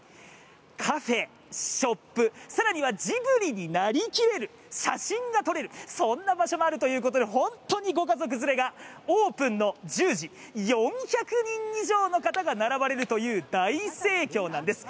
カフェ、ショップ、更にはジブリになりきれる写真が撮れる、そんな場所もあるということで、本当にご家族連れがオープンの１０時、４００人以上の方が並ばれるという大盛況なんです。